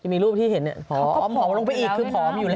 มีรูปที่เห็นเนี่ยผอมลงไปอีกคือผอมอยู่ใน